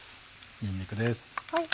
にんにくです。